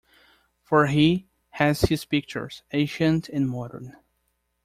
For he has his pictures, ancient and modern.